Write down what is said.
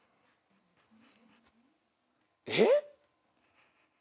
えっ？